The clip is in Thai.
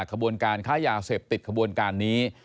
ขบวนการค้ายาเสพติดขบวนการนี้